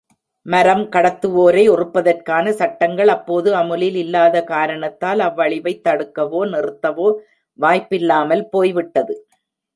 மரம்கடத்துவோரை ஒறுப்பதற்கான சட்டங்கள் அப்போது அமுலில் இல்லாத காரணத்தால் அவ்வழிவைத் தடுக்கவோ, நிறுத்தவோ வாய்ப்பில்லாமல் போய்விட்டது.